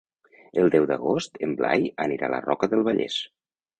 El deu d'agost en Blai anirà a la Roca del Vallès.